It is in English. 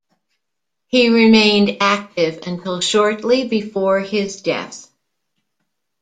He remained active until shortly before his death.